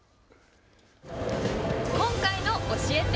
今回のおしえて！！